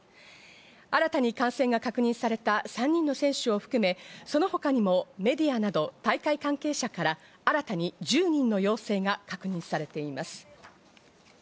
新たに感染が確認された３人の選手を含め、その他にもメディアなど大会関係者が新たに１０人の陽性が確認されています。